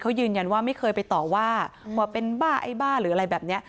เขายืนยันว่าไม่เคยไปต่อว่าว่าเป็นบ้าไอ้บ้าหรืออะไรแบบนี้